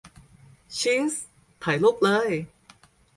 ชีส ? ถ่ายรูปเลย !